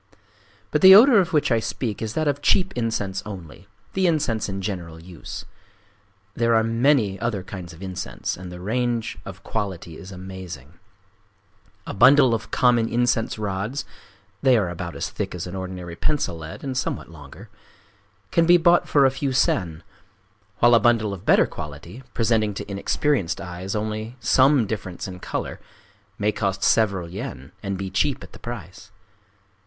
But the odor of which I speak is that of cheap incense only,—the incense in general use. There are many other kinds of incense; and the range of quality is amazing. A bundle of common incense rods—(they are about as thick as an ordinary pencil lead, and somewhat longer)—can be bought for a few sen; while a bundle of better quality, presenting to inexperienced eyes only some difference in color, may cost several yen, and be cheap at the price.